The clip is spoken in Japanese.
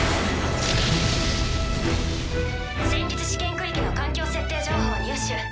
戦術試験区域の環境設定情報入手。